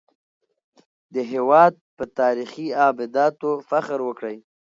د هېواد په تاريخي ابداتو فخر وکړئ.